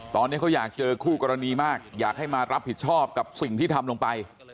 ตอนนี้เขาอยากเจอคู่กรณีมากอยากให้มารับผิดชอบกับสิ่งที่ทำลงไป